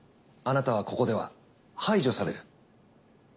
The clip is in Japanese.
あなたはここでは排除される。